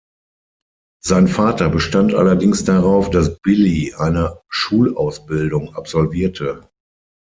Sein Vater bestand allerdings darauf, dass Billy eine Schulausbildung absolvierte.